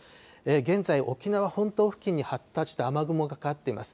現在、沖縄本島付近に発達した雨雲がかかっています。